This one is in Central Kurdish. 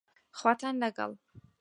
خواتان لەگەڵ